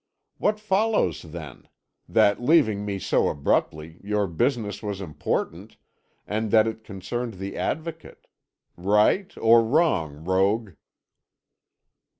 What follows then? That, leaving me so abruptly, your business was important, and that it concerned the Advocate. Right or wrong, rogue?"